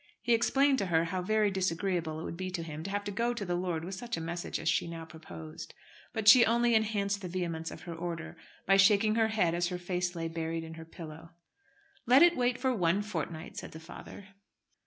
He explained to her how very disagreeable it would be to him to have to go to the lord with such a message as she now proposed. But she only enhanced the vehemence of her order by shaking her head as her face lay buried in the pillow. "Let it wait for one fortnight," said the father.